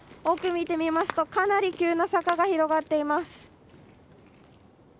奥、見てみますとかなり急な坂が広がっています。